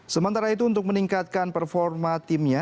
sementara itu untuk meningkatkan performa timnya